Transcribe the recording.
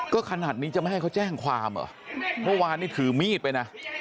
ก็ขนาดนี้จะไม่ให้เขาแจ้งความเหรอเมื่อวานนี้ถือมีดไปนะ